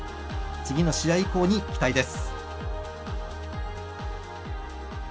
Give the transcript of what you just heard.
次の試合以降に期待です。